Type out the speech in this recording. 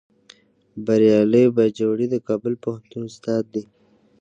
بریالی باجوړی د کابل پوهنتون استاد دی